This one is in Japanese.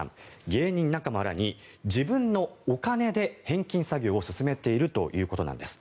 芸人仲間らに自分のお金で返金作業を進めているということなんです。